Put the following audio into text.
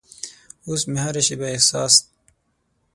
اوس مې هره شیبه احساس